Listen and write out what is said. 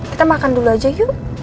kita makan dulu aja yuk